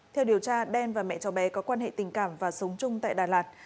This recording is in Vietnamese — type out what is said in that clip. theo điều tra đen và mẹ cháu bé có quan hệ tình cảm và sống chung tại đà lạt